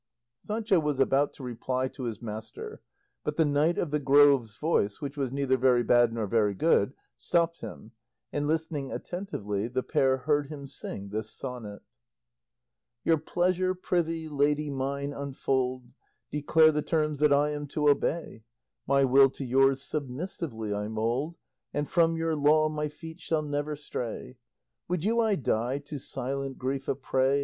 Sancho was about to reply to his master, but the Knight of the Grove's voice, which was neither very bad nor very good, stopped him, and listening attentively the pair heard him sing this SONNET Your pleasure, prithee, lady mine, unfold; Declare the terms that I am to obey; My will to yours submissively I mould, And from your law my feet shall never stray. Would you I die, to silent grief a prey?